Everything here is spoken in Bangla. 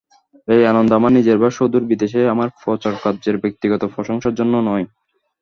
এই আনন্দ, আমার নিজের বা সুদূর বিদেশে আমার প্রচারকার্যের ব্যক্তিগত প্রশংসার জন্য নয়।